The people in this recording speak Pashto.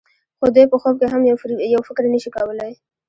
خو دوی په خوب کې هم یو فکر نشي کولای.